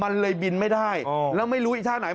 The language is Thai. มันเลยบินไม่ได้แล้วไม่รู้อีกท่าไหน